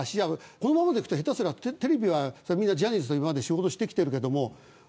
このままでいくと下手すりゃテレビはみんなジャニーズと仕事をしてきているけど。